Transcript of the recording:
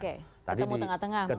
ketemu tengah tengah maksudnya